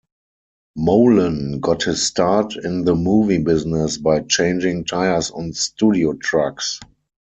Molen got his start in the movie business by changing tires on studio trucks.